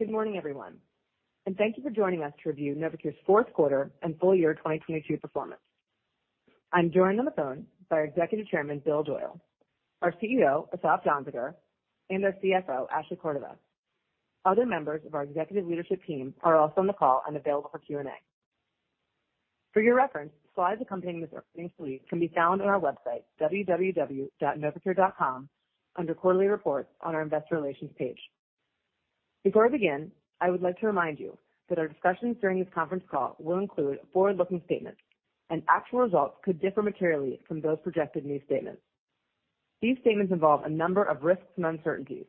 Good morning, everyone, thank you for joining us to review Novocure's fourth quarter and full year 2022 performance. I'm joined on the phone by our Executive Chairman, Bill Doyle, our CEO, Asaf Danziger, and our CFO, Ashley Cordova. Other members of our executive leadership team are also on the call and available for Q&A. For your reference, slides accompanying this earnings release can be found on our website, www.novocure.com, under Quarterly Reports on our Investor Relations page. Before I begin, I would like to remind you that our discussions during this conference call will include forward-looking statements, and actual results could differ materially from those projected in these statements. These statements involve a number of risks and uncertainties,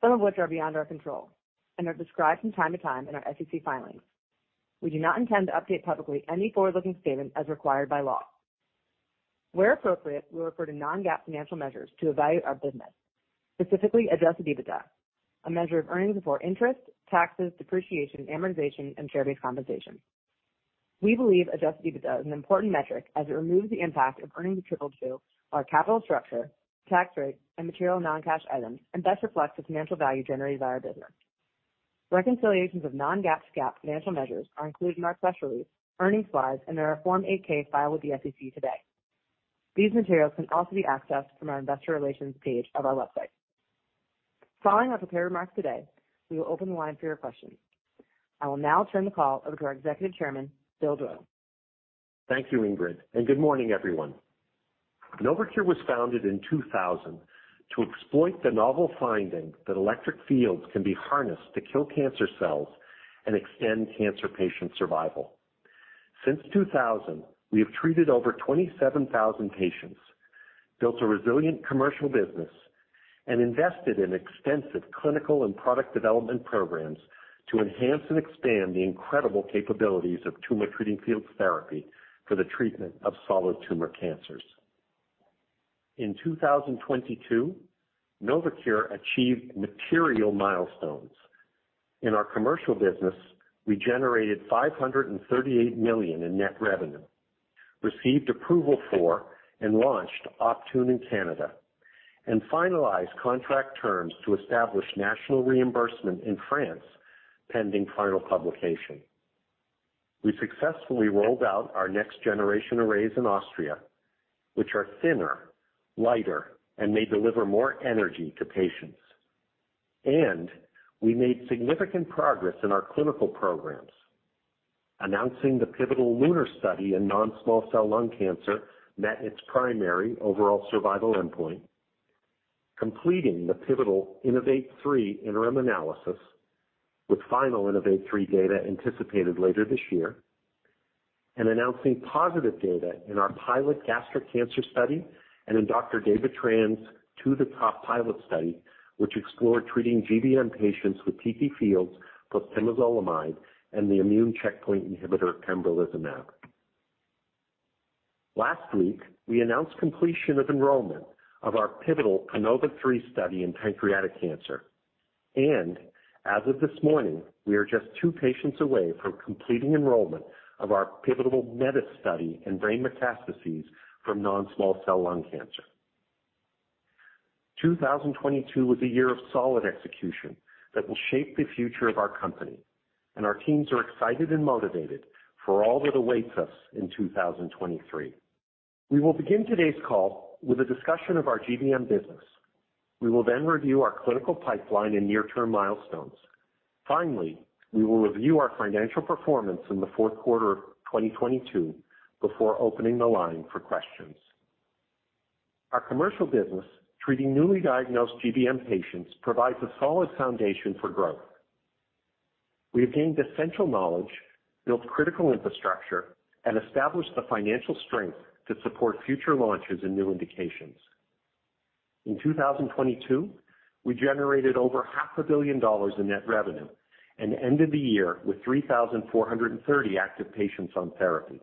some of which are beyond our control, and are described from time to time in our SEC filings. We do not intend to update publicly any forward-looking statements as required by law. Where appropriate, we refer to non-GAAP financial measures to evaluate our business, specifically adjusted EBITDA, a measure of earnings before interest, taxes, depreciation, amortization, and share-based compensation. We believe adjusted EBITDA is an important metric as it removes the impact of earnings attributable to our capital structure, tax rate, and material non-cash items, and best reflects the financial value generated by our business. Reconciliations of non-GAAP to GAAP financial measures are included in our press release, earnings slides, and in our Form 8-K filed with the SEC today. These materials can also be accessed from our Investor Relations page of our website. Following our prepared remarks today, we will open the line for your questions. I will now turn the call over to our Executive Chairman, Bill Doyle. Thank you, Ingrid. Good morning, everyone. Novocure was founded in 2000 to exploit the novel finding that electric fields can be harnessed to kill cancer cells and extend cancer patient survival. Since 2000, we have treated over 27,000 patients, built a resilient commercial business, and invested in extensive clinical and product development programs to enhance and expand the incredible capabilities of Tumor Treating Fields therapy for the treatment of solid tumor cancers. In 2022, Novocure achieved material milestones. In our commercial business, we generated $538 million in net revenue, received approval for and launched Optune in Canada, and finalized contract terms to establish national reimbursement in France, pending final publication. We successfully rolled out our next generation arrays in Austria, which are thinner, lighter, and may deliver more energy to patients. We made significant progress in our clinical programs, announcing the pivotal LUNAR study in non-small cell lung cancer met its primary overall survival endpoint, completing the pivotal INNOVATE-3 interim analysis, with final INNOVATE-3 data anticipated later this year, and announcing positive data in our pilot gastric cancer study and in Dr. David Tran's 2-THE-TOP pilot study, which explored treating GBM patients with TTFields plus temozolomide and the immune checkpoint inhibitor pembrolizumab. Last week, we announced completion of enrollment of our pivotal PANOVA-3 study in pancreatic cancer. As of this morning, we are just 2 patients away from completing enrollment of our pivotal METIS study in brain metastases from non-small cell lung cancer. 2022 was a year of solid execution that will shape the future of our company, and our teams are excited and motivated for all that awaits us in 2023. We will begin today's call with a discussion of our GBM business. We will then review our clinical pipeline and near-term milestones. Finally, we will review our financial performance in the fourth quarter of 2022 before opening the line for questions. Our commercial business, treating newly diagnosed GBM patients, provides a solid foundation for growth. We have gained essential knowledge, built critical infrastructure, and established the financial strength to support future launches and new indications. In 2022, we generated over half a billion dollars in net revenue and ended the year with 3,430 active patients on therapy.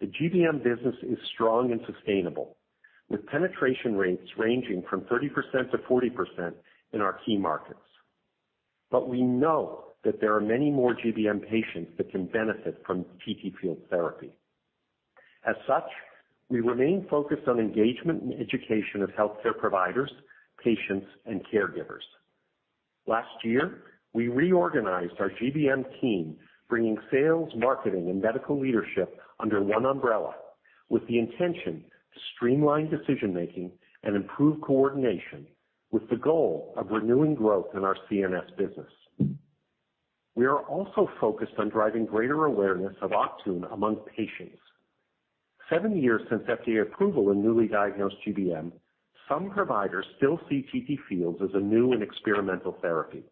The GBM business is strong and sustainable, with penetration rates ranging from 30%-40% in our key markets. We know that there are many more GBM patients that can benefit from TTFields therapy. As such, we remain focused on engagement and education of healthcare providers, patients, and caregivers. Last year, we reorganized our GBM team, bringing sales, marketing, and medical leadership under one umbrella with the intention to streamline decision-making and improve coordination with the goal of renewing growth in our CNS business. We are also focused on driving greater awareness of Optune among patients. Seven years since FDA approval in newly diagnosed GBM, some providers still see TTFields as a new and experimental therapy.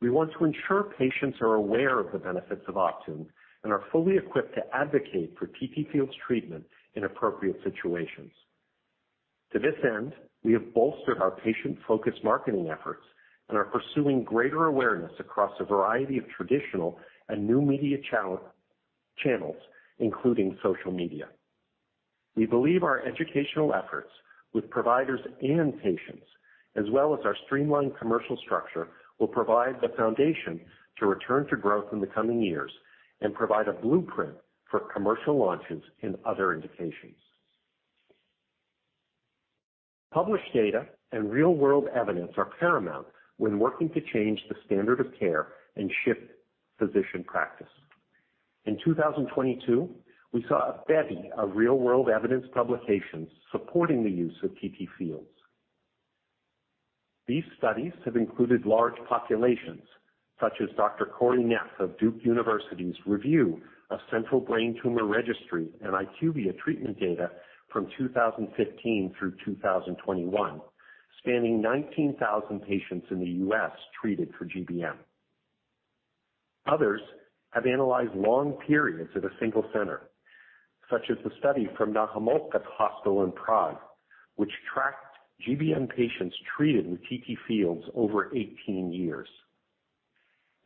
We want to ensure patients are aware of the benefits of Optune and are fully equipped to advocate for TTFields treatment in appropriate situations. To this end, we have bolstered our patient-focused marketing efforts and are pursuing greater awareness across a variety of traditional and new media channels, including social media. We believe our educational efforts with providers and patients, as well as our streamlined commercial structure, will provide the foundation to return to growth in the coming years and provide a blueprint for commercial launches in other indications. Published data and real-world evidence are paramount when working to change the standard of care and shift physician practice. In 2022, we saw a bevy of real-world evidence publications supporting the use of TTFields. These studies have included large populations such as Dr. Cory Merow of Duke University's review of Central Brain Tumor Registry and IQVIA treatment data from 2015 through 2021, spanning 19,000 patients in the U.S. treated for GBM. Others have analyzed long periods at a single center, such as the study from Na Homolce Hospital in Prague, which tracked GBM patients treated with TTFields over 18 years.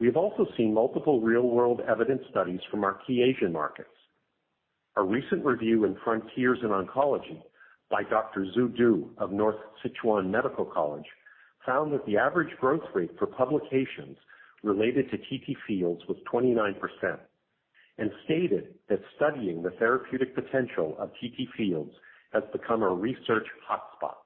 We have also seen multiple real-world evidence studies from our key Asian markets. A recent review in Frontiers in Oncology by Dr. Xu Du of North Sichuan Medical College found that the average growth rate for publications related to TTFields was 29% and stated that studying the therapeutic potential of TTFields has become a research hotspot.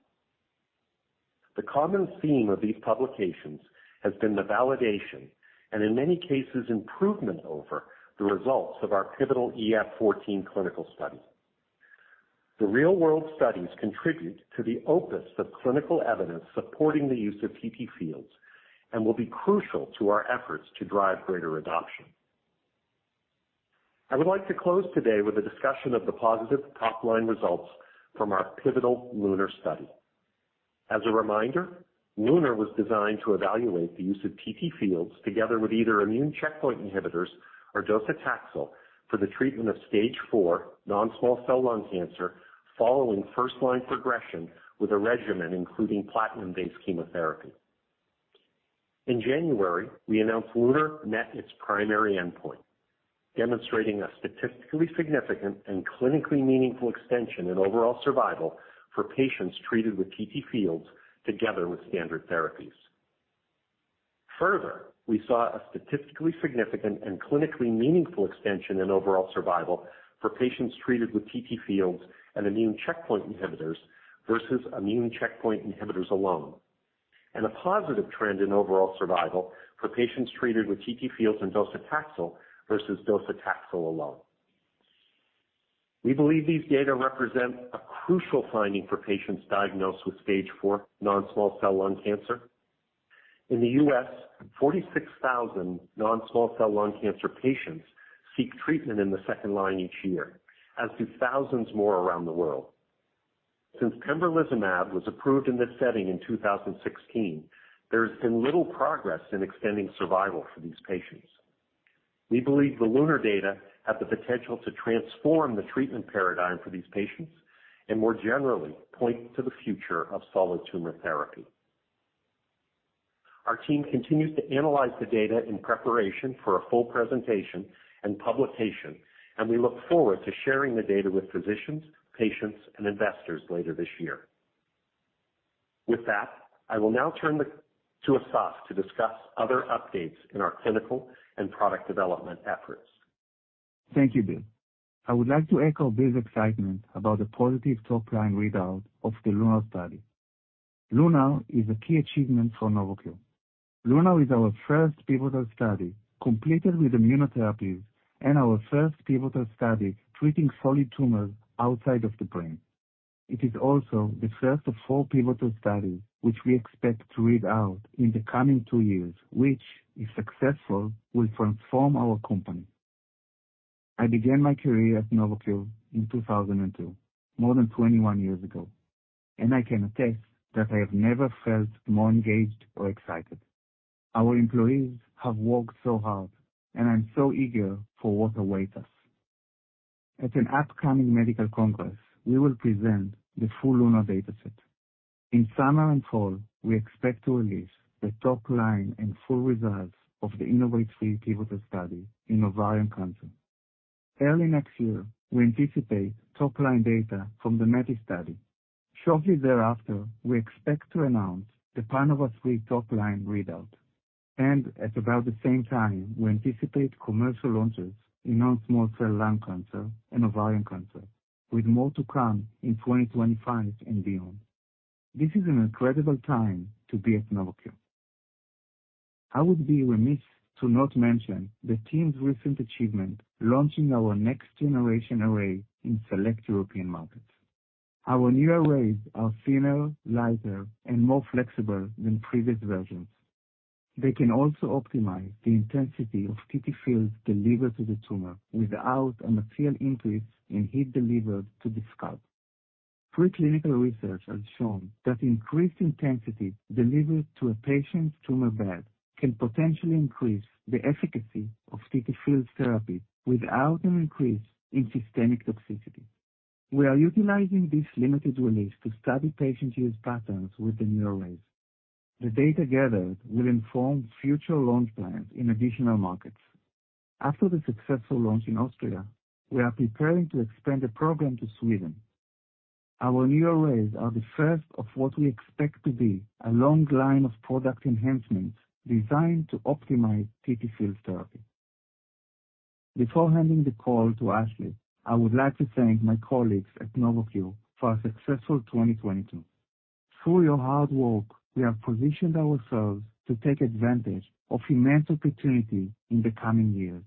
The common theme of these publications has been the validation and, in many cases, improvement over the results of our pivotal EF-14 clinical study. The real-world studies contribute to the opus of clinical evidence supporting the use of TTFields and will be crucial to our efforts to drive greater adoption. I would like to close today with a discussion of the positive top-line results from our pivotal LUNAR study. As a reminder, LUNAR was designed to evaluate the use of TTFields together with either immune checkpoint inhibitors or docetaxel for the treatment of stage four non-small cell lung cancer following first-line progression with a regimen including platinum-based chemotherapy. In January, we announced LUNAR met its primary endpoint, demonstrating a statistically significant and clinically meaningful extension in overall survival for patients treated with TTFields together with standard therapies. Further, we saw a statistically significant and clinically meaningful extension in overall survival for patients treated with TTFields and immune checkpoint inhibitors versus immune checkpoint inhibitors alone, and a positive trend in overall survival for patients treated with TTFields and docetaxel versus docetaxel alone. We believe these data represent a crucial finding for patients diagnosed with stage four non-small cell lung cancer. In the U.S., 46,000 non-small cell lung cancer patients seek treatment in the second line each year, as do thousands more around the world. Since pembrolizumab was approved in this setting in 2016, there has been little progress in extending survival for these patients. We believe the LUNAR data have the potential to transform the treatment paradigm for these patients and more generally point to the future of solid tumor therapy. Our team continues to analyze the data in preparation for a full presentation and publication, and we look forward to sharing the data with physicians, patients, and investors later this year. With that, I will now turn to Asaf to discuss other updates in our clinical and product development efforts. Thank you, Bill. I would like to echo Bill's excitement about the positive top-line readout of the LUNAR study. LUNAR is a key achievement for Novocure. LUNAR is our first pivotal study completed with immunotherapies and our first pivotal study treating solid tumors outside of the brain. It is also the first of four pivotal studies which we expect to read out in the coming two years, which, if successful, will transform our company. I began my career at Novocure in 2002, more than 21 years ago, and I can attest that I have never felt more engaged or excited. Our employees have worked so hard, and I'm so eager for what awaits us. At an upcoming medical congress, we will present the full LUNAR data set. In summer and fall, we expect to release the top-line and full results of the INNOVATE-3 pivotal study in ovarian cancer. Early next year, we anticipate top-line data from the METIS study. Shortly thereafter, we expect to announce the PANOVA-3 top-line readout. At about the same time, we anticipate commercial launches in non-small cell lung cancer and ovarian cancer, with more to come in 2025 and beyond. This is an incredible time to be at Novocure. I would be remiss to not mention the team's recent achievement launching our next-generation array in select European markets. Our new arrays are thinner, lighter, and more flexible than previous versions. They can also optimize the intensity of TTFields delivered to the tumor without a material increase in heat delivered to the scalp. Preclinical research has shown that increased intensity delivered to a patient's tumor bed can potentially increase the efficacy of TTFields therapy without an increase in systemic toxicity. We are utilizing this limited release to study patients' use patterns with the new arrays. The data gathered will inform future launch plans in additional markets. After the successful launch in Austria, we are preparing to expand the program to Sweden. Our new arrays are the first of what we expect to be a long line of product enhancements designed to optimize TTFields therapy. Before handing the call to Ashley, I would like to thank my colleagues at Novocure for a successful 2022. Through your hard work, we have positioned ourselves to take advantage of immense opportunity in the coming years.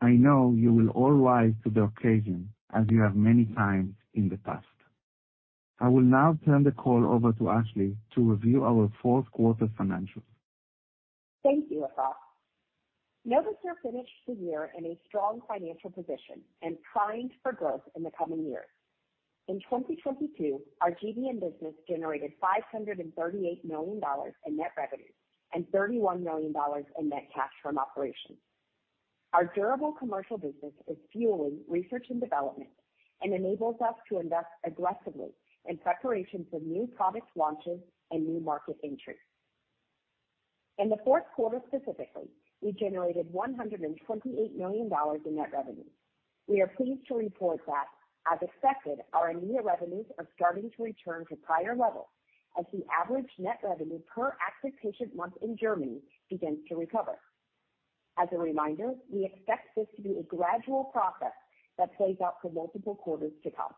I know you will all rise to the occasion as you have many times in the past. I will now turn the call over to Ashley to review our fourth quarter financials. Thank you, Asaf. Novocure finished the year in a strong financial position and primed for growth in the coming years. In 2022, our GBM business generated $538 million in net revenue and $31 million in net cash from operations. Our durable commercial business is fueling research and development and enables us to invest aggressively in preparation for new product launches and new market entries. In the fourth quarter specifically, we generated $128 million in net revenue. We are pleased to report that, as expected, our EMEA revenues are starting to return to prior levels as the average net revenue per active patient month in Germany begins to recover. As a reminder, we expect this to be a gradual process that plays out for multiple quarters to come.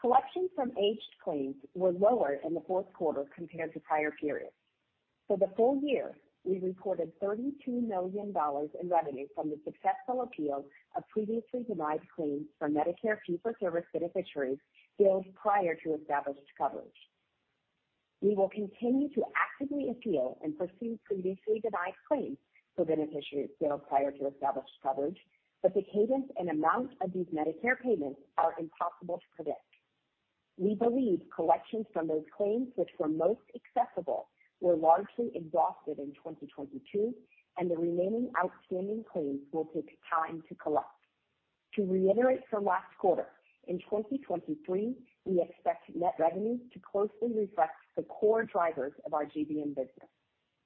Collections from aged claims were lower in the fourth quarter compared to prior periods. For the full year, we reported $32 million in revenue from the successful appeal of previously denied claims for Medicare fee-for-service beneficiaries billed prior to established coverage. We will continue to actively appeal and pursue previously denied claims for beneficiaries billed prior to established coverage, but the cadence and amount of these Medicare payments are impossible to predict. We believe collections from those claims which were most accessible were largely exhausted in 2022, and the remaining outstanding claims will take time to collect. To reiterate from last quarter, in 2023, we expect net revenue to closely reflect the core drivers of our GBM business.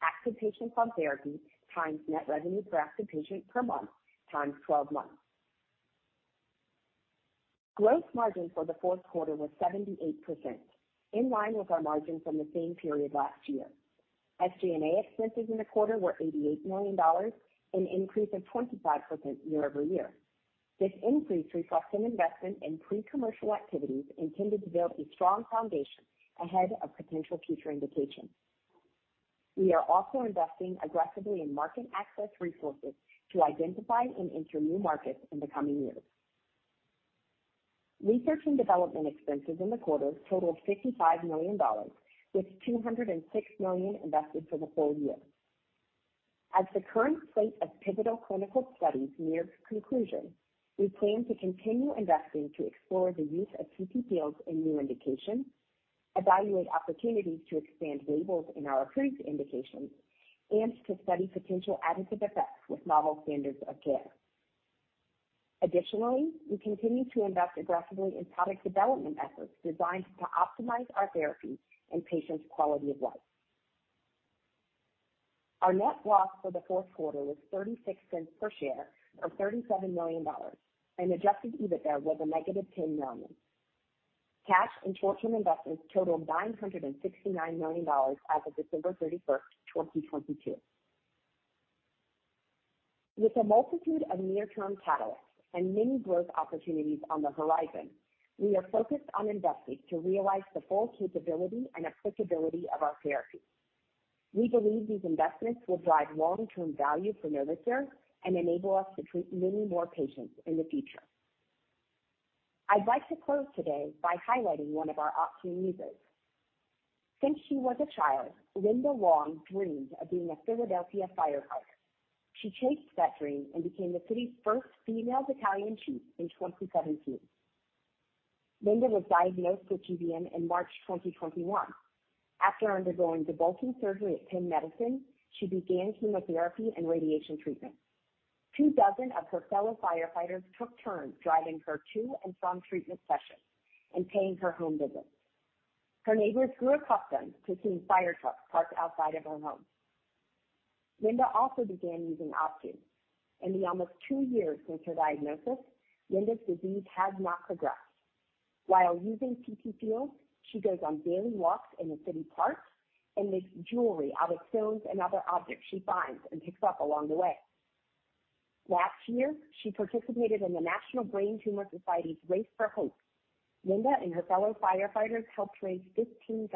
Active patients on therapy times net revenue per active patient per month times 12 months. Gross margin for the fourth quarter was 78%, in line with our margin from the same period last year. SG&A expenses in the quarter were $88 million, an increase of 25% year-over-year. This increase reflects an investment in pre-commercial activities intended to build a strong foundation ahead of potential future indications. We are also investing aggressively in market access resources to identify and enter new markets in the coming years. Research and development expenses in the quarter totaled $55 million, with $206 million invested for the full year. As the current slate of pivotal clinical studies nears conclusion, we plan to continue investing to explore the use of TTFields in new indications, evaluate opportunities to expand labels in our approved indications, and to study potential additive effects with novel standards of care. Additionally, we continue to invest aggressively in product development efforts designed to optimize our therapy and patients' quality of life. Our net loss for the fourth quarter was $0.36 per share of $37 million and adjusted EBITDA was a negative $10 million. Cash and short-term investments totaled $969 million as of December 31st, 2022. With a multitude of near-term catalysts and many growth opportunities on the horizon, we are focused on investing to realize the full capability and applicability of our therapy. We believe these investments will drive long-term value for Novocure and enable us to treat many more patients in the future. I'd like to close today by highlighting one of our Optune users. Since she was a child, Linda Long dreamed of being a Philadelphia firefighter. She chased that dream and became the city's first female Battalion Chief in 2017. Linda was diagnosed with GBM in March 2021. After undergoing debulking surgery at Penn Medicine, she began chemotherapy and radiation treatment. Two dozen of her fellow firefighters took turns driving her to and from treatment sessions and paying her home visits. Her neighbors grew accustomed to seeing firetrucks parked outside of her home. Linda also began using Optune. In the almost two years since her diagnosis, Linda's disease has not progressed. While using TTFields, she goes on daily walks in the city parks and makes jewelry out of stones and other objects she finds and picks up along the way. Last year, she participated in the National Brain Tumor Society's Race for Hope. Linda and her fellow firefighters helped raise $15,000.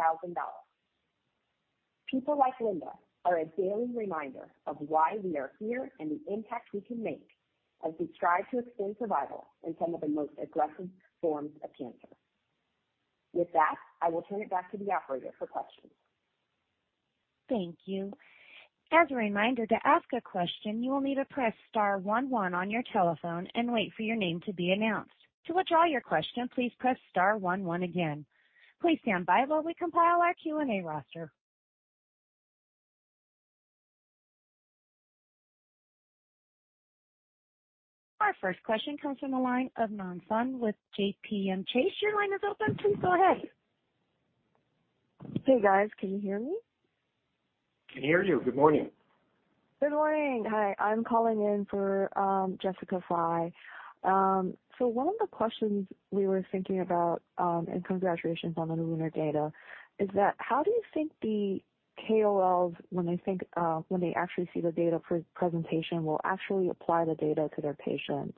People like Linda are a daily reminder of why we are here and the impact we can make as we strive to extend survival in some of the most aggressive forms of cancer. With that, I will turn it back to the operator for questions. Thank you. As a reminder, to ask a question, you will need to press star one one on your telephone and wait for your name to be announced. To withdraw your question, please press star one one again. Please stand by while we compile our Q&A roster. Our first question comes from the line of Na Sun with JPM Chase. Your line is open. Please go ahead. Hey, guys. Can you hear me? Can hear you. Good morning. Good morning. Hi. I'm calling in for Jessica Fye. One of the questions we were thinking about, and congratulations on the LUNAR data, is that how do you think the KOLs, when they think, when they actually see the data for presentation, will actually apply the data to their patients?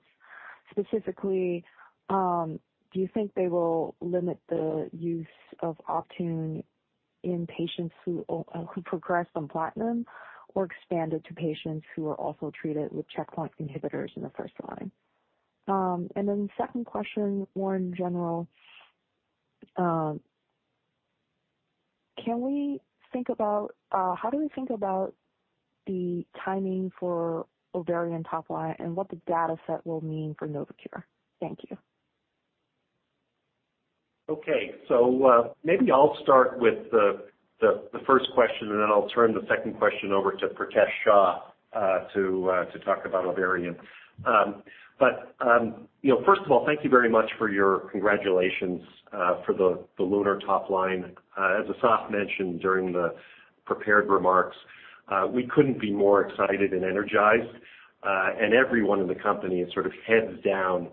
Specifically, do you think they will limit the use of Optune in patients who progress on platinum or expand it to patients who are also treated with checkpoint inhibitors in the first line? Second question, more in general, can we think about, how do we think about the timing for ovarian top line and what the data set will mean for Novocure? Thank you. Okay. Maybe I'll start with the first question, and then I'll turn the second question over to Pritesh Shah, to talk about ovarian. You know, first of all, thank you very much for your congratulations, for the LUNAR top line. As Asaf mentioned during the prepared remarks, we couldn't be more excited and energized, and everyone in the company is sort of heads down,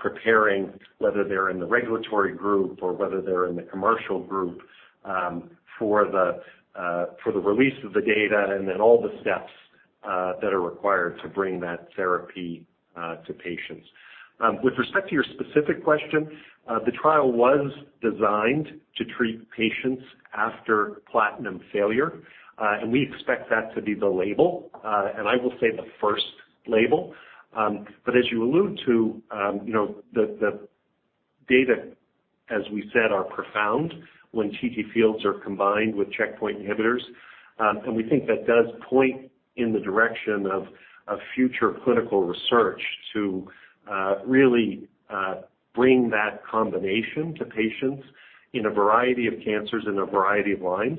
preparing, whether they're in the regulatory group or whether they're in the commercial group, for the release of the data and then all the steps, that are required to bring that therapy, to patients. With respect to your specific question, the trial was designed to treat patients after platinum failure. We expect that to be the label, and I will say the first label. As you allude to, you know, the data, as we said, are profound when TTFields are combined with checkpoint inhibitors. We think that does point in the direction of future clinical research to really bring that combination to patients in a variety of cancers, in a variety of lines.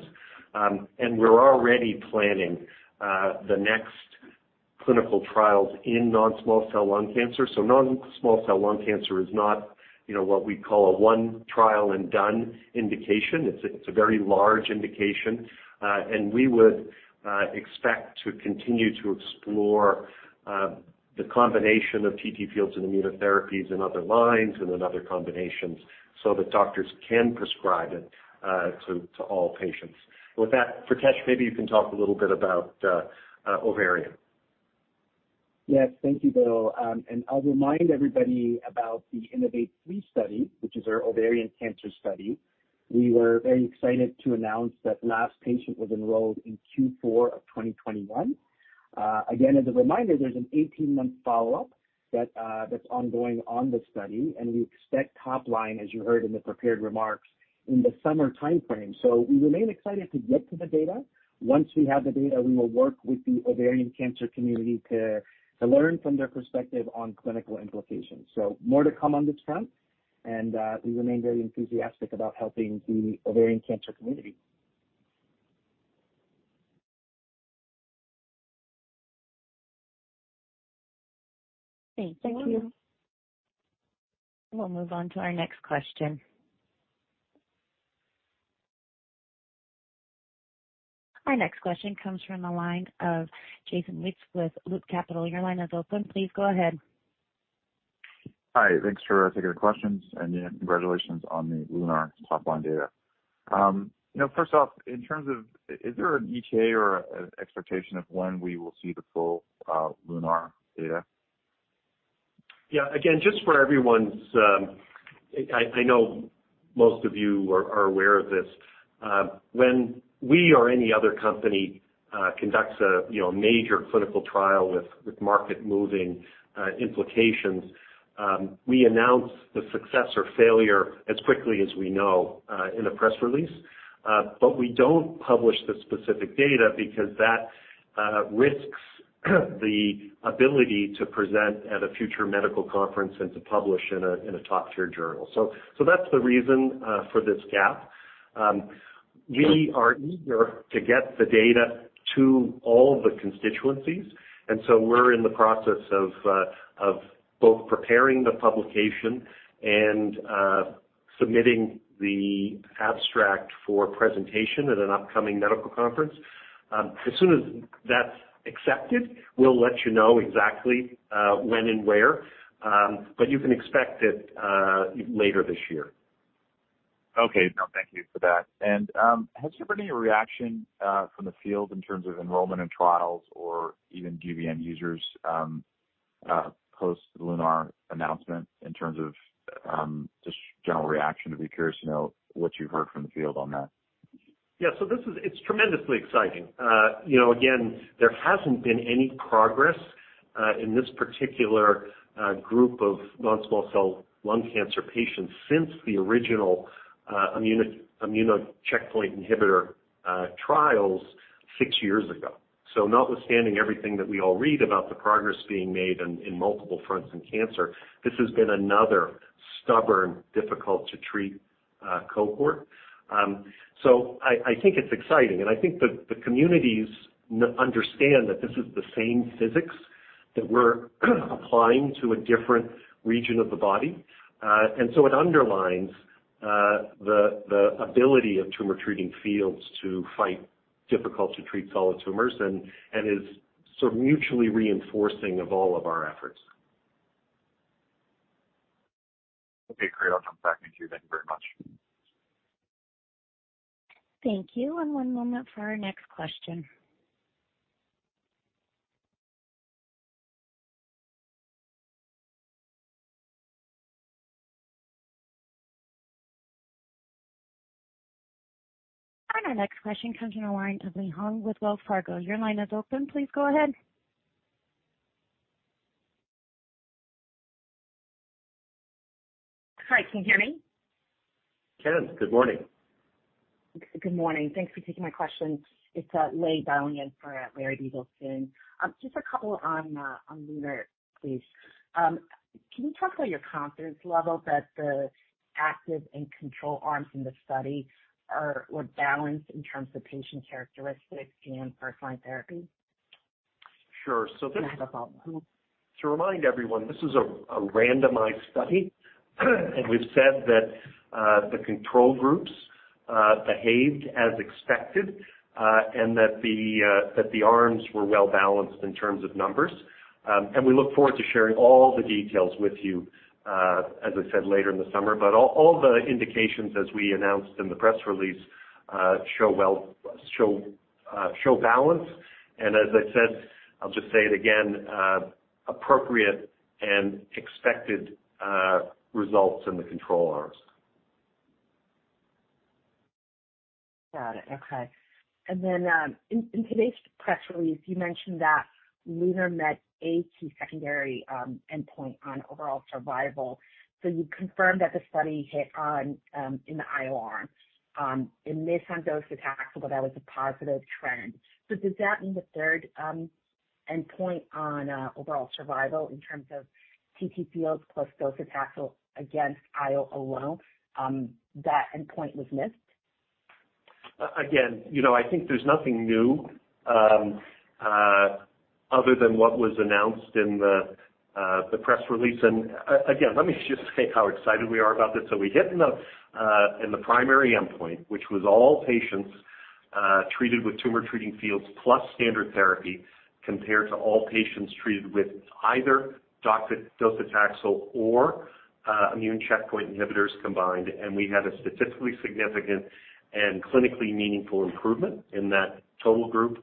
We're already planning the next clinical trials in non-small cell lung cancer. Non-small cell lung cancer is not, you know, what we call a one trial and done indication. It's a very large indication, and we would expect to continue to explore the combination of TTFields and immunotherapies in other lines and in other combinations so that doctors can prescribe it to all patients. With that, Pritesh, maybe you can talk a little bit about ovarian. Yes, thank you, Bill. I'll remind everybody about the INNOVATE-3 study, which is our ovarian cancer study. We were very excited to announce that the last patient was enrolled in Q4 of 2021. Again, as a reminder, there's an 18-month follow-up that's ongoing on the study, and we expect top line, as you heard in the prepared remarks, in the summer timeframe. We remain excited to get to the data. Once we have the data, we will work with the ovarian cancer community to learn from their perspective on clinical implications. More to come on this front, and we remain very enthusiastic about helping the ovarian cancer community. Thank you. Thank you. We'll move on to our next question. Our next question comes from the line of Jason Wittes with Loop Capital. Your line is open. Please go ahead. Hi. Thanks for taking the questions, and congratulations on the LUNAR top line data. you know, first off, Is there an ETA or an expectation of when we will see the full LUNAR data? Yeah. Again, just for everyone's... I know most of you are aware of this. When we or any other company conducts a, you know, major clinical trial with market-moving implications, we announce the success or failure as quickly as we know in a press release. We don't publish the specific data because that risks the ability to present at a future medical conference and to publish in a top-tier journal. That's the reason for this gap. We are eager to get the data to all the constituencies, and so we're in the process of both preparing the publication and submitting the abstract for presentation at an upcoming medical conference. As soon as that's accepted, we'll let you know exactly, when and where, but you can expect it later this year. Okay. No, thank you for that. Has there been any reaction from the field in terms of enrollment in trials or even GBM users, post the LUNAR announcement in terms of just general reaction? I'd be curious to know what you've heard from the field on that. Yeah. It's tremendously exciting. you know, again, there hasn't been any progress in this particular group of non-small cell lung cancer patients since the original immune checkpoint inhibitor trials six years ago. Notwithstanding everything that we all read about the progress being made in multiple fronts in cancer, this has been another stubborn, difficult to treat cohort. I think it's exciting, and I think the communities understand that this is the same physics that we're applying to a different region of the body. It underlines the ability of Tumor Treating Fields to fight difficult to treat solid tumors and is sort of mutually reinforcing of all of our efforts. Okay, great. I'll come back to you then. Thank you very much. Thank you. One moment for our next question. Our next question comes from the line of Lei Huang with Wells Fargo. Your line is open. Please go ahead. Hi, can you hear me? Can. Good morning. Good morning. Thanks for taking my question. It's Lei dialing in for Larry Biegelsen. Just a couple on LUNAR, please. Can you talk about your confidence level that the active and control arms in the study were balanced in terms of patient characteristics and first-line therapy? Sure. Not a problem. To remind everyone, this is a randomized study. We've said that the control groups behaved as expected, and that the arms were well balanced in terms of numbers. We look forward to sharing all the details with you, as I said later in the summer. All the indications as we announced in the press release, show well, show balance. As I said, I'll just say it again, appropriate and expected results in the control arms. Got it. Okay. Then, in today's press release, you mentioned that LUNAR met a two secondary endpoint on overall survival. You confirmed that the study hit on in the IO arm, it missed on docetaxel, but that was a positive trend. Does that mean the third endpoint on overall survival in terms of TTFields plus docetaxel against IO alone, that endpoint was missed? Again, you know, I think there's nothing new other than what was announced in the press release. Again, let me just say how excited we are about this. We hit in the primary endpoint, which was all patients treated with Tumor Treating Fields plus standard therapy, compared to all patients treated with either docetaxel or immune checkpoint inhibitors combined. We had a statistically significant and clinically meaningful improvement in that total group.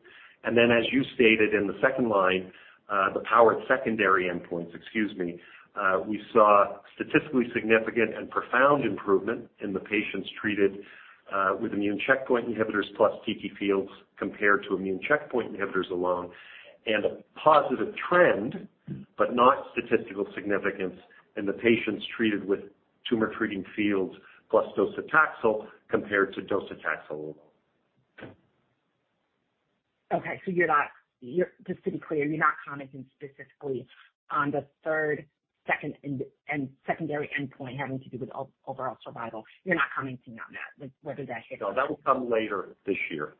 Then, as you stated in the second line, the powered secondary endpoints, excuse me. We saw statistically significant and profound improvement in the patients treated with immune checkpoint inhibitors plus TTFields compared to immune checkpoint inhibitors alone, and a positive trend, but not statistical significance in the patients treated with Tumor Treating Fields plus docetaxel compared to docetaxel alone. Okay, you're not... You're just to be clear, you're not commenting specifically on the third, second secondary endpoint having to do with overall survival. You're not commenting on that, like, whether that hit or not? No, that will come later this year.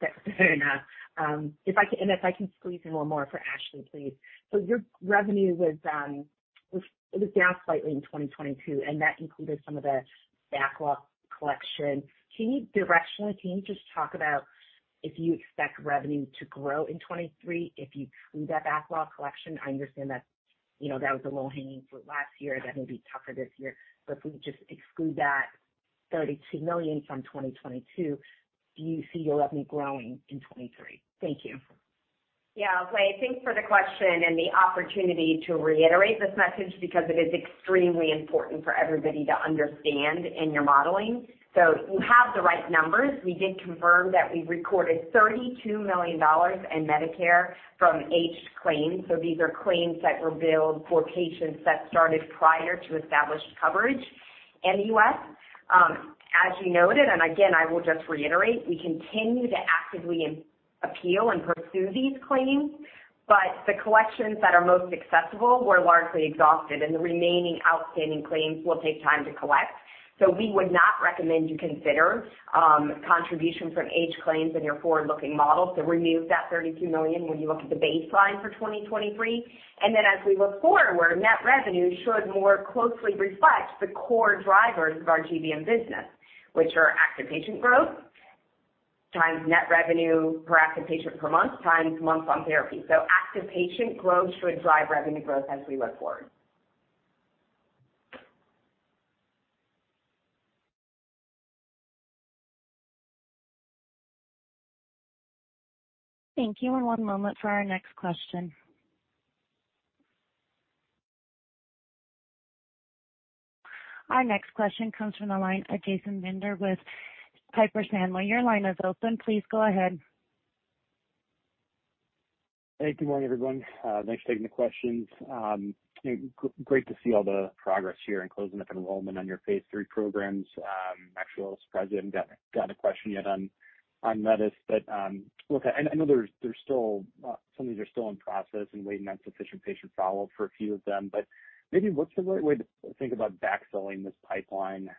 Fair enough. If I can squeeze in one more for Ashley, please. Your revenue it was down slightly in 2022, and that included some of the backlog collection. Can you directionally, can you just talk about if you expect revenue to grow in 2023 if you exclude that backlog collection? I understand that, you know, that was a low-hanging fruit last year. That may be tougher this year. If we just exclude that $32 million from 2022, do you see your revenue growing in 2023? Thank you. Yeah. Lei, thanks for the question and the opportunity to reiterate this message because it is extremely important for everybody to understand in your modeling. You have the right numbers. We did confirm that we recorded $32 million in Medicare from aged claims. These are claims that were billed for patients that started prior to established coverage in the U.S. As you noted, again, I will just reiterate, we continue to actively appeal and pursue these claims, but the collections that are most successful were largely exhausted, and the remaining outstanding claims will take time to collect. We would not recommend you consider contribution from aged claims in your forward-looking model. Remove that $32 million when you look at the baseline for 2023. As we look forward, our net revenue should more closely reflect the core drivers of our GBM business, which are active patient growth times net revenue per active patient per month, times months on therapy. Active patient growth should drive revenue growth as we look forward. Thank you. One moment for our next question. Our next question comes from the line of Jason Bednar with Piper Sandler. Your line is open. Please go ahead. Hey, good morning, everyone. Thanks for taking the questions. Great to see all the progress here in closing up enrollment on your phase III programs. Actually I was surprised we haven't got a question yet on METIS. Look, I know there's still... Some of these are still in process and waiting on sufficient patient follow-up for a few of them. Maybe what's the right way to think about backfilling this pipeline?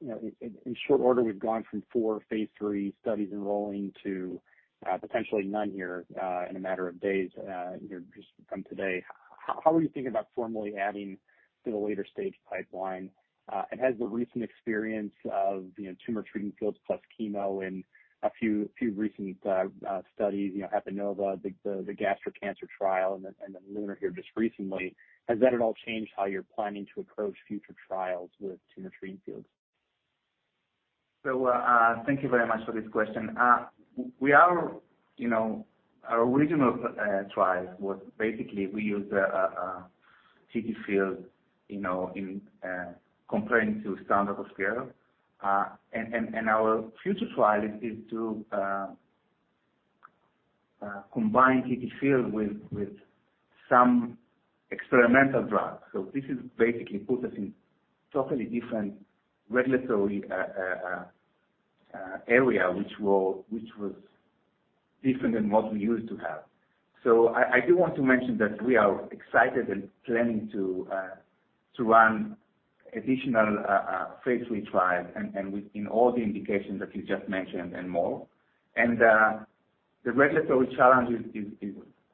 You know, in short order, we've gone from four phase III studies enrolling to potentially none here in a matter of days, you know, just from today. How are you thinking about formally adding to the later stage pipeline? Has the recent experience of, you know, Tumor Treating Fields plus chemo in a few recent, studies, you know, HEPANOVA, the gastric cancer trial and then, and then LUNAR here just recently, has that at all changed how you're planning to approach future trials with Tumor Treating Fields? Thank you very much for this question. We are, you know, our original trial was basically we used TTFields, you know, in comparing to standard of care. Our future trial is to combine TTFields with some experimental drugs. This is basically put us in totally different regulatory area, which was different than what we used to have. I do want to mention that we are excited and planning to run additional phase III trial in all the indications that you just mentioned and more. The regulatory challenge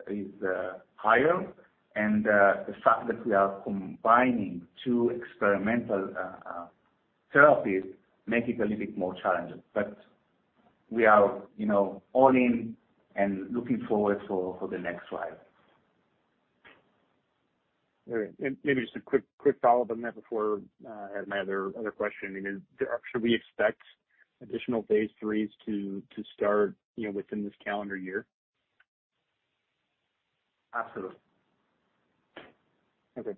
is higher and the fact that we are combining two experimental therapies make it a little bit more challenging. We are, you know, all in and looking forward for the next trial. All right. Maybe just a quick follow-up on that before I had my other question. You know, should we expect additional phase IIIs to start, you know, within this calendar year? Absolutely. Okay.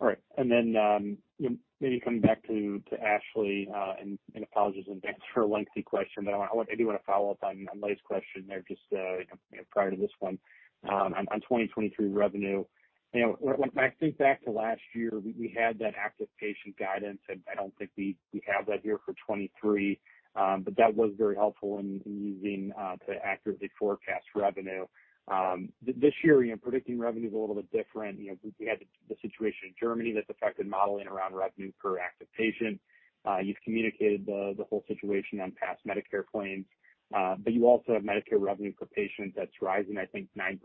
All right. Maybe coming back to Ashley, and apologies in advance for a lengthy question, but I do want to follow up on Lei's question there just, you know, prior to this one, on 2023 revenue. You know, when I think back to last year, we had that active patient guidance. I don't think we have that here for 2023. That was very helpful in using to accurately forecast revenue. This year, you know, predicting revenue is a little bit different. You know, we had the situation in Germany that's affected modeling around revenue per active patient. You've communicated the whole situation on past Medicare claims. You also have Medicare revenue per patient that's rising, I think 9%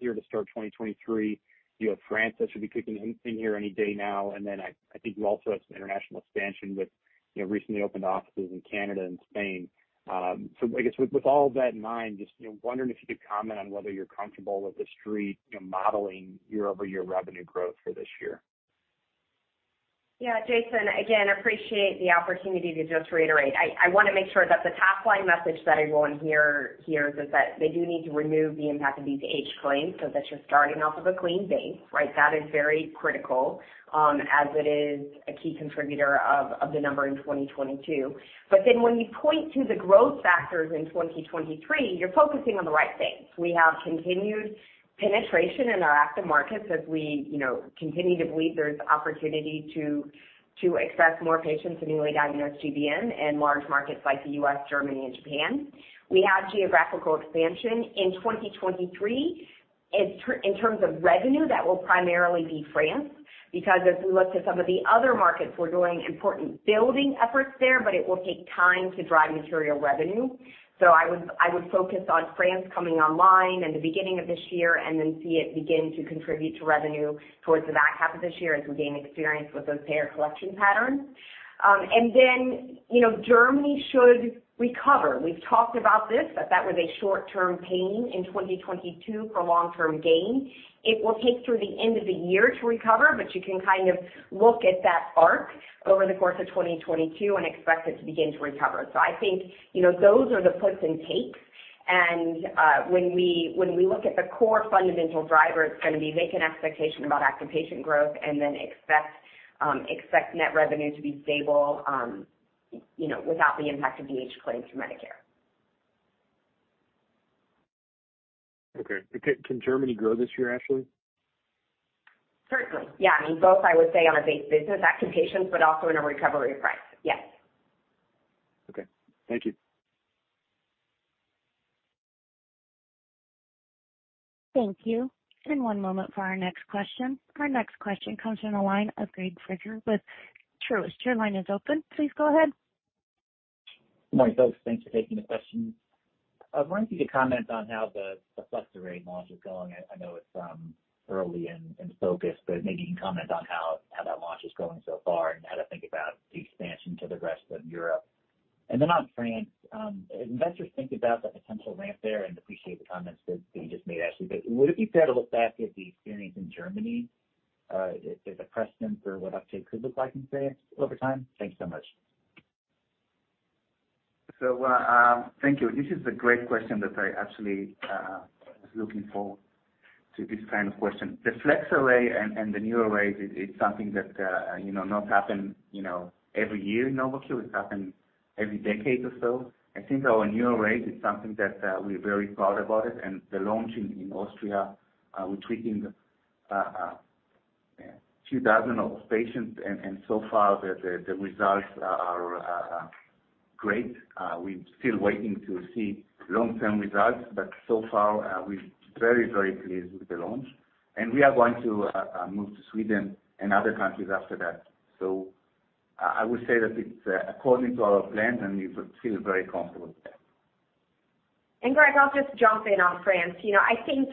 year to start 2023. You have France that should be kicking in here any day now. I think you also have some international expansion with, you know, recently opened offices in Canada and Spain. I guess with all that in mind, just, you know, wondering if you could comment on whether you're comfortable with the street, you know, modeling year-over-year revenue growth for this year. Jason, again, appreciate the opportunity to just reiterate. I wanna make sure that the top line message that everyone hears is that they do need to remove the impact of these DME claims so that you're starting off of a clean base, right? That is very critical as it is a key contributor of the number in 2022. When you point to the growth factors in 2023, you're focusing on the right things. We have continued penetration in our active markets as we, you know, continue to believe there's opportunity to access more patients in newly diagnosed GBM in large markets like the U.S., Germany and Japan. We have geographical expansion. In 2023, in terms of revenue, that will primarily be France, because as we look to some of the other markets, we're doing important building efforts there, but it will take time to drive material revenue. I would focus on France coming online in the beginning of this year and then see it begin to contribute to revenue towards the back half of this year as we gain experience with those payer collection patterns. you know, Germany should recover. We've talked about this, that that was a short-term pain in 2022 for long-term gain. It will take through the end of the year to recover, but you can kind of look at that arc over the course of 2022 and expect it to begin to recover. I think, you know, those are the puts and takes. When we look at the core fundamental driver, it's gonna be make an expectation about active patient growth and then expect net revenue to be stable, you know, without the impact of DME claims for Medicare. Okay. Can Germany grow this year, Ashley? Certainly, yeah. I mean, both, I would say on a base business, active patients, but also in a recovery of price. Yes. Okay. Thank you. Thank you. One moment for our next question. Our next question comes from the line of Greg Fraser with Truist. Your line is open. Please go ahead. Good morning, folks. Thanks for taking the questions. I was wondering if you could comment on how the flex array launch is going. I know it's early in focus, but maybe you can comment on how that launch is going so far and how to think about the expansion to the rest of Europe. Then on France, investors think about the potential ramp there and appreciate the comments that you just made, Ashley. Would it be fair to look back at the experience in Germany as a precedent for what uptake could look like in France over time? Thanks so much. Thank you. This is a great question that I actually was looking forward to this kind of question. The flex array and the new array is something that, you know, not happen every year in Novocure. It happen every decade or so. I think our new array is something that we're very proud about it. The launch in Austria, we're treating 2,000 of patients and so far the results are great. We're still waiting to see long-term results, but so far, we're very pleased with the launch. We are going to move to Sweden and other countries after that. I would say that it's according to our plans, and we feel very comfortable with that. Greg, I'll just jump in on France. You know,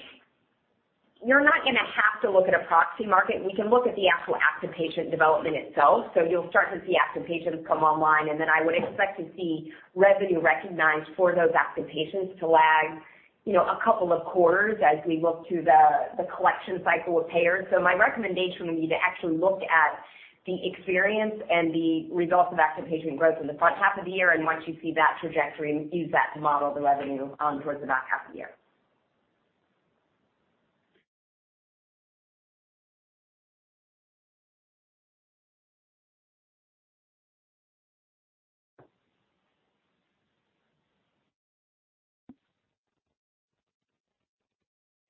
I think you're not gonna have to look at a proxy market. We can look at the actual active patient development itself. You'll start to see active patients come online, then I would expect to see revenue recognized for those active patients to lag, you know, a couple of quarters as we look to the collection cycle of payers. My recommendation would be to actually look at the experience and the results of active patient growth in the front half of the year, once you see that trajectory, use that to model the revenue, towards the back half of the year.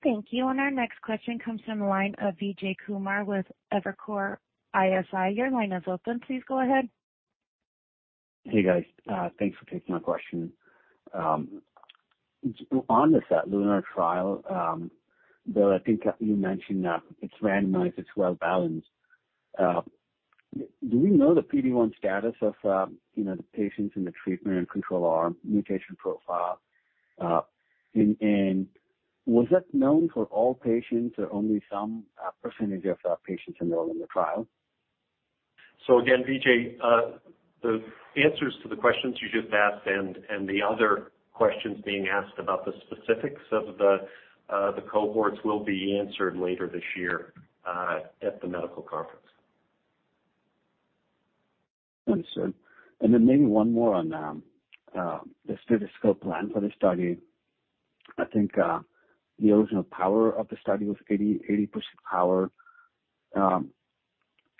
Thank you. Our next question comes from the line of Vijay Kumar with Evercore ISI. Your line is open. Please go ahead. Hey, guys. Thanks for taking my question. On the set, LUNAR trial, Bill, I think you mentioned that it's randomized, it's well-balanced. Do we know the PD-1 status of, you know, the patients in the treatment and control arm mutation profile? Was that known for all patients or only some, percentage of our patients enrolled in the trial? Again, Vijay, the answers to the questions you just asked and the other questions being asked about the specifics of the cohorts will be answered later this year, at the medical conference. Understood. Then maybe one more on the statistical plan for the study. I think the original power of the study was 80% power.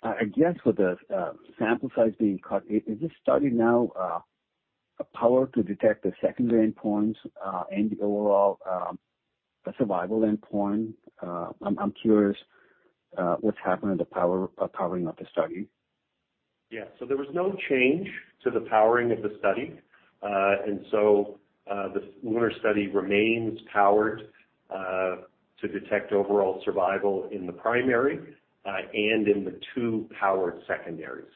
I guess with the sample size being cut, is this study now a power to detect the secondary endpoints and the overall survival endpoint? I'm curious what's happening to power powering up the study. Yeah. There was no change to the powering of the study. The LUNAR study remains powered to detect overall survival in the primary, and in the two powered secondaries.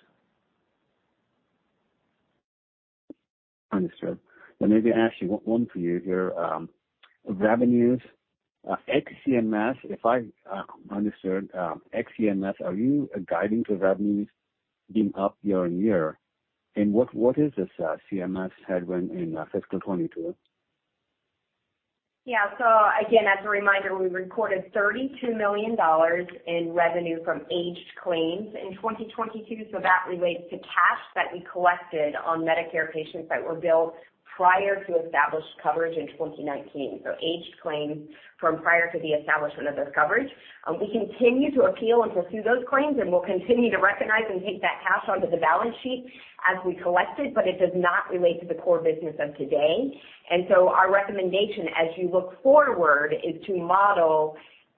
Understood. Maybe Ashley, one for you here. Revenues ex CMS, if I understood, ex CMS, are you guiding to revenues being up year-on-year? What is this CMS headwind in fiscal 2022? Again, as a reminder, we recorded $32 million in revenue from aged claims in 2022. That relates to cash that we collected on Medicare patients that were billed prior to established coverage in 2019. Aged claims from prior to the establishment of this coverage. We continue to appeal and pursue those claims, and we'll continue to recognize and take that cash onto the balance sheet as we collect it, but it does not relate to the core business of today. Our recommendation as you look forward is to model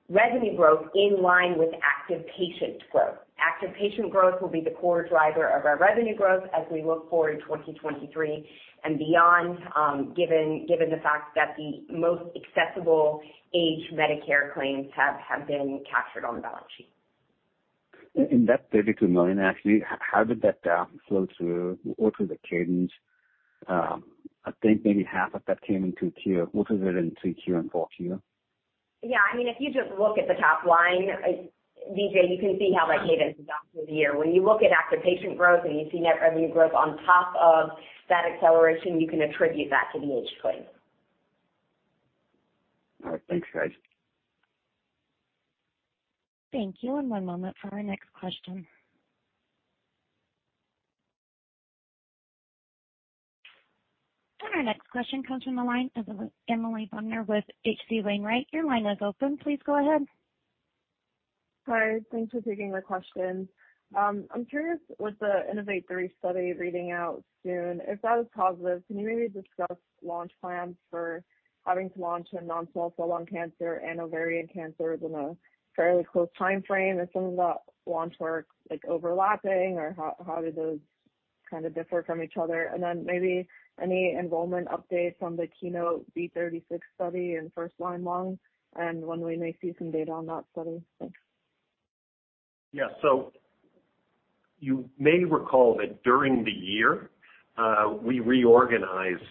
revenue growth in line with active patient growth. Active patient growth will be the core driver of our revenue growth as we look forward to 2023 and beyond, given the fact that the most accessible aged Medicare claims have been captured on the balance sheet. In that $32 million, Ashley, how did that flow through? What was the cadence? I think maybe half of that came in Q2. What was it in Q3 and Q4? Yeah, I mean, if you just look at the top line, Vijay, you can see how that cadence is off for the year. When you look at active patient growth and you see net revenue growth on top of that acceleration, you can attribute that to the aged claims. All right, thanks guys. Thank you. One moment for our next question. Our next question comes from the line of Emily Bodnar with H.C. Wainwright. Your line is open. Please go ahead. Sorry. Thanks for taking the question. I'm curious, with the INNOVATE-3 study reading out soon, if that is positive, can you maybe discuss launch plans for having to launch a non-small cell lung cancer and ovarian cancers in a fairly close timeframe? If some of the launch were like overlapping or how do those kind of differ from each other? Then maybe any enrollment updates on the KEYNOTE B36 study in first line lung and when we may see some data on that study. Thanks. You may recall that during the year, we reorganized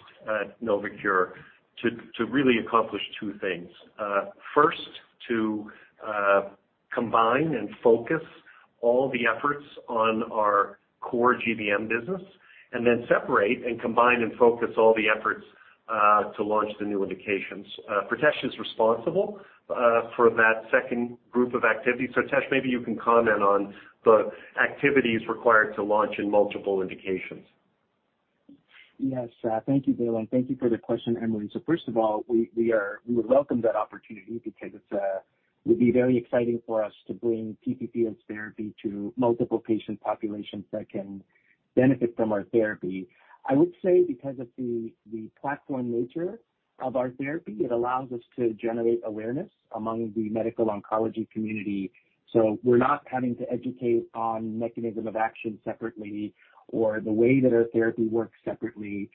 Novocure to really accomplish two things. First, to combine and focus all the efforts on our core GBM business, and then separate and combine and focus all the efforts to launch the new indications. Pritesh is responsible for that second group of activities. Pritesh, maybe you can comment on the activities required to launch in multiple indications. Yes. Thank you, Bill, and thank you for the question, Emily. First of all, we welcome that opportunity because it's very exciting for us to bring TTFields therapy to multiple patient populations that can benefit from our therapy. I would say because of the platform nature of our therapy, it allows us to generate awareness among the medical oncology community. We're not having to educate on mechanism of action separately or the way that our therapy works separately.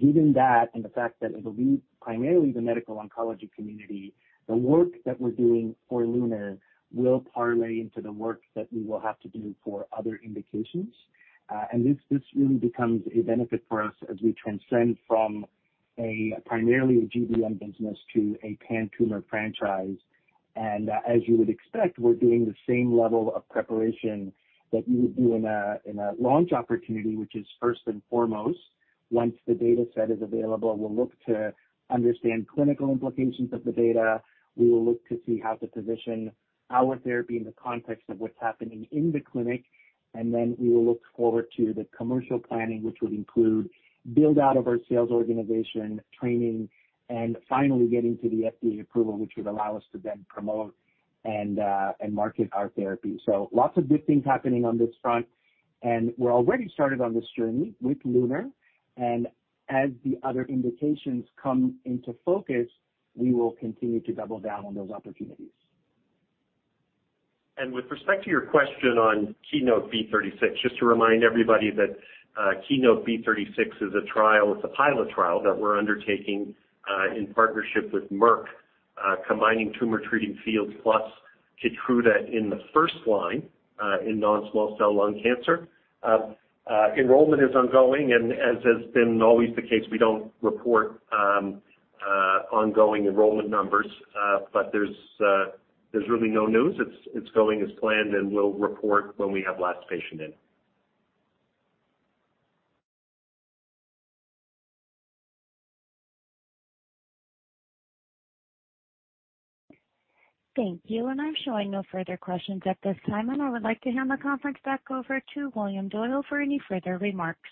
Given that, and the fact that it will be primarily the medical oncology community, the work that we're doing for LUNAR will parlay into the work that we will have to do for other indications. This really becomes a benefit for us as we transcend from a primarily a GBM business to a pan-tumor franchise. As you would expect, we're doing the same level of preparation that you would do in a launch opportunity, which is first and foremost, once the data set is available, we'll look to understand clinical implications of the data. We will look to see how to position our therapy in the context of what's happening in the clinic. Then we will look forward to the commercial planning, which would include build out of our sales organization, training, and finally getting to the FDA approval, which would allow us to then promote and market our therapy. Lots of good things happening on this front, and we're already started on this journey with LUNAR. As the other indications come into focus, we will continue to double down on those opportunities. With respect to your question on KEYNOTE B36, just to remind everybody that KEYNOTE B36 is a trial. It's a pilot trial that we're undertaking in partnership with Merck, combining Tumor Treating Fields plus KEYTRUDA in the first line in non-small cell lung cancer. Enrollment is ongoing and as been always the case, we don't report ongoing enrollment numbers. There's really no news. It's going as planned, and we'll report when we have last patient in. Thank you. I'm showing no further questions at this time. I would like to hand the conference back over to William Doyle for any further remarks.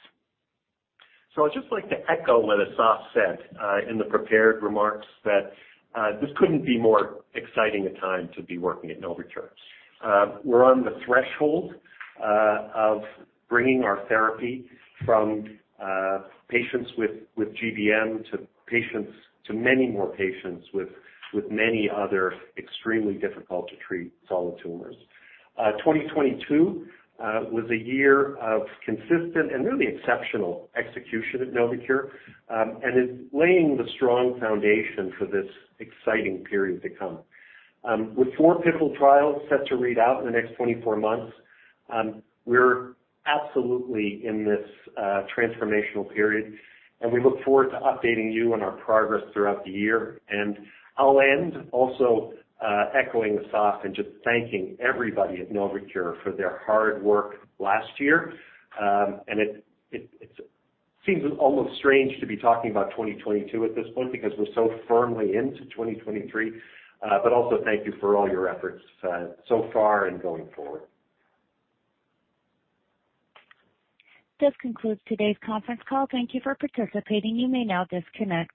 I'd just like to echo what Asaf said, in the prepared remarks that, this couldn't be more exciting a time to be working at Novocure. We're on the threshold of bringing our therapy from patients with GBM to many more patients with many other extremely difficult to treat solid tumors. 2022 was a year of consistent and really exceptional execution at Novocure, and is laying the strong foundation for this exciting period to come. With four pivotal trials set to read out in the next 24 months, we're absolutely in this transformational period, and we look forward to updating you on our progress throughout the year. I'll end also, echoing Asaf and just thanking everybody at Novocure for their hard work last year. It seems almost strange to be talking about 2022 at this point because we're so firmly into 2023. Also thank you for all your efforts, so far and going forward. This concludes today's conference call. Thank you for participating. You may now disconnect.